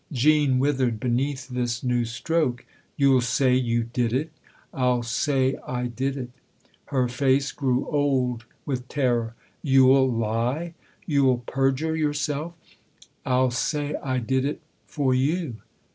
Jean withered beneath this new stroke. " You'll say you did it ?"" I'll say I did it." Her face grew old with terror. " You'll lie ? You'll perjure yourself? "" I'll say I did it for you."